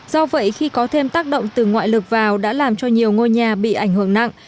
do vậy khi có thêm tác động từ ngoại lực vào đã làm cho nhiều ngôi nhà bị ảnh hưởng nặng